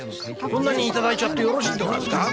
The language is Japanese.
こんなに頂いちゃってよろしいんでございますか？」。